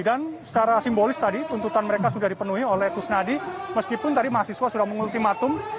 dan secara simbolis tadi tuntutan mereka sudah dipenuhi oleh kusnadi meskipun tadi mahasiswa sudah mengultimatum